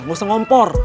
gak usah ngompor